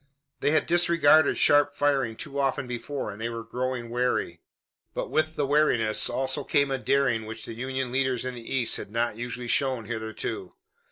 They had disregarded sharp firing too often before and they were growing wary. But with that wariness also came a daring which the Union leaders in the east had not usually shown hitherto.